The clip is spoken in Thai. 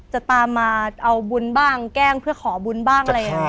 จะตามมาเอาบุญบ้างแกล้งเพื่อขอบุญบ้างอะไรอย่างนี้